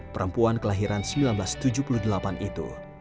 perempuan kelahiran seribu sembilan ratus tujuh puluh delapan itu